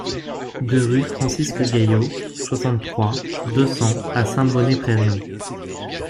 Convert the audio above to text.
deux rue Francisque Gaillot, soixante-trois, deux cents à Saint-Bonnet-près-Riom